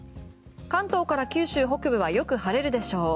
関東から九州北部はよく晴れるでしょう。